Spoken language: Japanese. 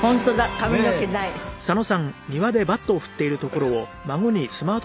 髪の毛ない。